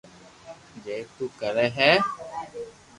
جي تو ڪري ھي